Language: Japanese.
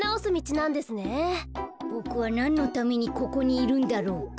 ボクはなんのためにここにいるんだろうか。